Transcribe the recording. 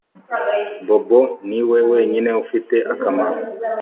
Bobo niwe wenyine ufite akamaro